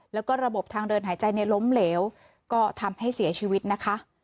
แล้วก็ระบบทางเดินหายใจในล้มเหลวก็ทำให้เสียชีวิตนะคะ